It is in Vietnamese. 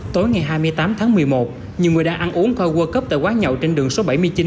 tối ngày hai mươi tám tháng một mươi một nhiều người đang ăn uống khoa world cup tại quán nhậu trên đường số bảy mươi chín